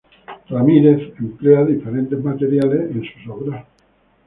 Ramírez emplea diferentes materiales en sus obras.